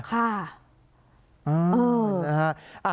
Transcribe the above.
ค่ะ